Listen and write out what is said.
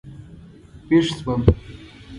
وېښ شوم.